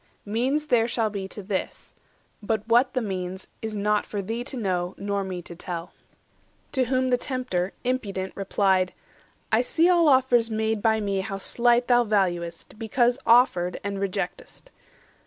Means there shall be to this; but what the means Is not for thee to know, nor me to tell." To whom the Tempter, impudent, replied:— "I see all offers made by me how slight Thou valuest, because offered, and reject'st.